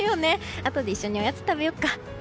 あとで一緒におやつ食べようか。